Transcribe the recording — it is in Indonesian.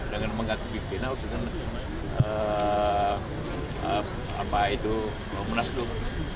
dengan mengganti pimpinannya untuk menasluk